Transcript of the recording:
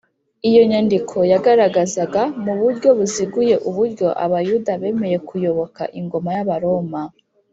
iyo nyandiko yagaragazaga mu buryo buziguye uburyo abayuda bemeye kuyoboka ingoma y’abaroma